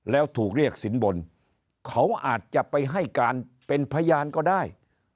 แล้วถูกเรียกสินบนเขาอาจจะไปให้การเป็นพยานก็ได้